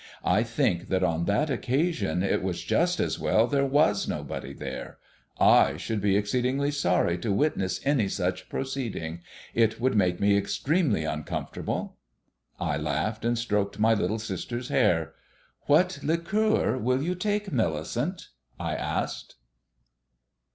I think that on that occasion it was just as well there was nobody there. I should be exceedingly sorry to witness any such proceeding. It would make me extremely uncomfortable." I laughed, and stroked my little sister's hair. "What liqueur will you take, Millicent?" I asked.